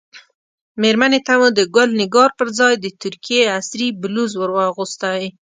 مېرمنې ته مو د ګل نګار پر ځای د ترکیې عصري بلوز ور اغوستی.